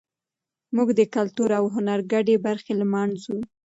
موږ د کلتور او هنر ګډې برخې لمانځو.